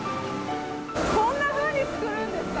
こんなふうにつくるんですか！